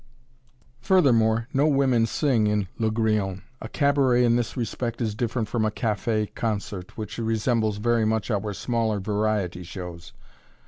Furthermore, no women sing in "Le Grillon" a cabaret in this respect is different from a café concert, which resembles very much our smaller variety shows.